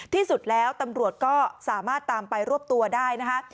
ที่สุดแล้วตำรวจก็สามารถตามไปรวบตัวได้นะคะ